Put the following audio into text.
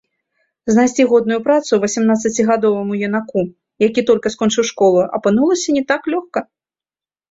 Знайсці годную працу васямнаццацігадоваму юнаку, які толькі скончыў школу, апынулася не так лёгка.